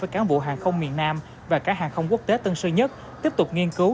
với cán bộ hàng không miền nam và cả hàng không quốc tế tân sơn nhất tiếp tục nghiên cứu